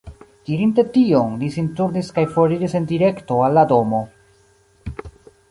Dirinte tion, li sin turnis kaj foriris en direkto al la domo.